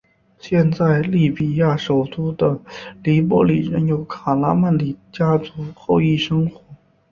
现在利比亚首都的黎波里仍有卡拉曼里家族后裔生活。